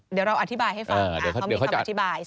เดี๋ยวเราอธิบายให้ฟังเขามีคำอธิบาย